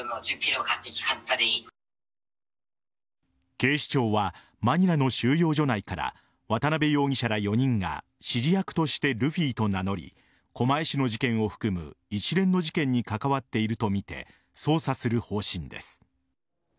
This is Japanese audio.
警視庁はマニラの収容所内から渡辺容疑者ら４人が指示役としてルフィを名乗り狛江市の事件を含む一連の事件に関わっていたとみて捜査する方針です。